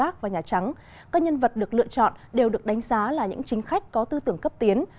các nhân vật được lựa chọn đều được đánh giá là những chính khách có tư tưởng cấp tiến